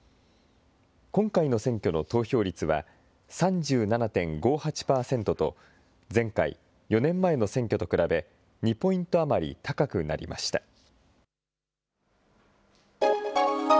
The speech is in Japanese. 今回の選挙の投票率は３７．５８％と、前回・４年前の選挙と比べ、２ポイント余り高くなりました。